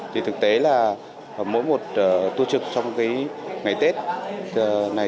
thì thực tế là mỗi một tuổi trực trong ngày tết này